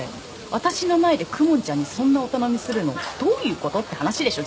私の前で公文ちゃんにそんなお頼みするのどういうことって話でしょ